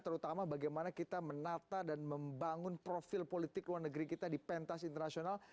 terutama bagaimana kita menata dan membangun profil politik luar negeri kita di pentas internasional